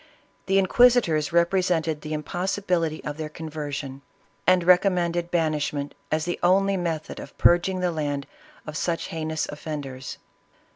The Inquisi tors represented the impossibility of their conversion, and recommended banishment as the only method of purging the land of such heinous offenders.